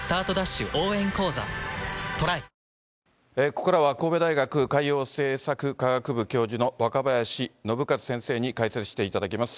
ここからは神戸大学海洋政策科学部教授の若林伸和先生に解説していただきます。